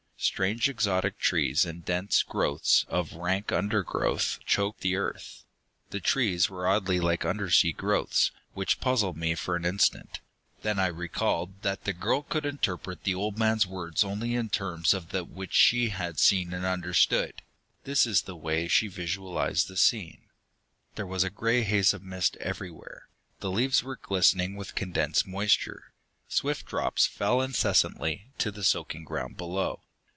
Strange exotic trees and dense growths of rank undergrowth choked the earth. The trees were oddly like undersea growths, which puzzled me for an instant. Then I recalled that the girl could interpret the old man's words only in terms of that which she had seen and understood. This was the way she visualized the scene. There was a gray haze of mist everywhere. The leaves were glistening with condensed moisture; swift drops fell incessantly to the soaking ground below.